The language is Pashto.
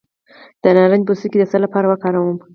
د نارنج پوستکی د څه لپاره وکاروم؟